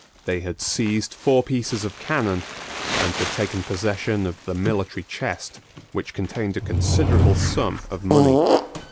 They had seized four pieces of cannon, and had taken possession of the military chest, which contained a considerable sum of money.